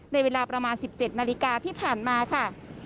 ในเวลาประมาณ๑๗นาฬิกาที่ผ่านมาค่ะ